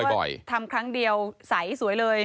ไม่ใช่ว่าทำครั้งเดียวใสสวยเลย